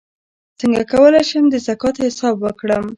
څنګه کولی شم د زکات حساب وکړم